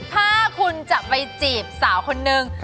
ถ้าคุณจะไปจีบสาวคนนึง